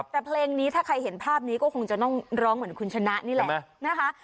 แต่เพลงนี้ถ้าใครเห็นภาพนี้ก็คงจะต้องร้องเหมือนคุณชนะนี่แหละนะคะ